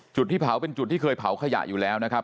จุดที่เผาเป็นจุดที่เคยเผาขยะอยู่แล้วนะครับ